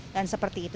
dan seperti itu